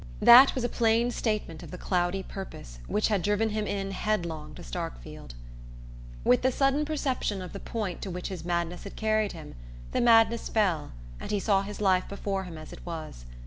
That was a plain statement of the cloudy purpose which had driven him in headlong to Starkfield. With the sudden perception of the point to which his madness had carried him, the madness fell and he saw his life before him as it was.